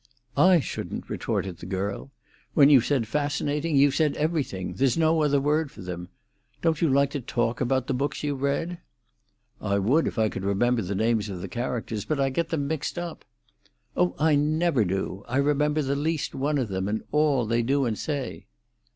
"I shouldn't!" retorted the girl. "When you've said fascinating, you've said everything. There's no other word for them. Don't you like to talk about the books you've read?" "I would if I could remember the names of the characters. But I get them mixed up." "Oh, I never do! I remember the least one of them, and all they do and say."